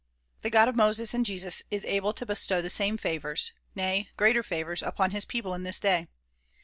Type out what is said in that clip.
The God of Moses and Jesus is able to bestow the same favors, nay greater favors upon his people in this day.